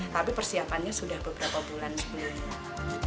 tapi persiapannya sudah beberapa bulan sebenarnya